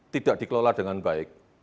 tidak dikelola dengan baik